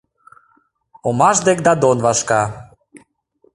Омаш дек Дадон вашка...